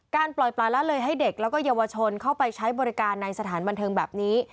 ปล่อยปลาละเลยให้เด็กแล้วก็เยาวชนเข้าไปใช้บริการในสถานบันเทิงแบบนี้